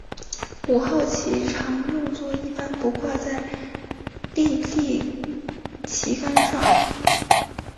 五号旗常用作一般不挂在立地旗杆上。